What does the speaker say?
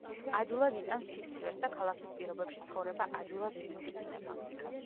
ადვილად იტანს სიცივეს და ქალაქის პირობებში ცხოვრება, ადვილად იწვრთნება.